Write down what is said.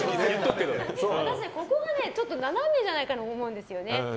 ここがちょっと斜めじゃないかなと思うんですよね。